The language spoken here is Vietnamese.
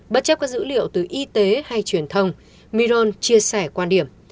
bất chấp các dữ liệu từ y tế hay truyền thông miron chia sẻ quan điểm